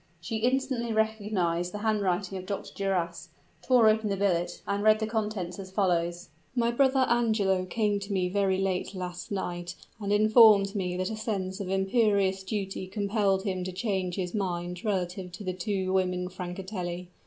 She instantly recognized the handwriting of Dr. Duras, tore open the billet, and read the contents as follows: "My brother Angelo came to me very late last night and informed me that a sense of imperious duty compelled him to change his mind relative to the two women Francatelli.